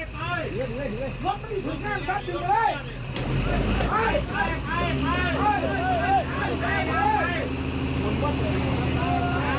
กลับ